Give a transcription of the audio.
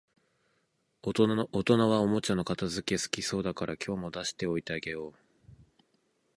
大人はおもちゃの片づけ好きそうだから、今日も出しておいてあげよう